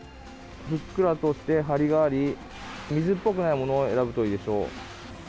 ふっくらとして張りがあり水っぽくないものを選ぶといいでしょう。